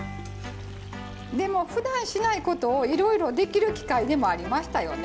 でもふだんしないことをいろいろできる機会でもありましたよね。